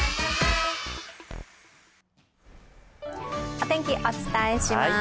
お天気、お伝えします。